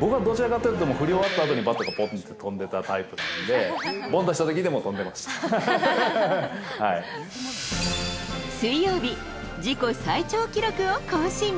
僕はどちらかというと、もう振り終わったあとにバットが飛んでたタイプなんで、凡打したときでも水曜日、自己最長記録を更新。